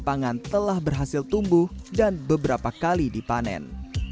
pangan telah berhasil tumbuh dan beberapa kali dipanen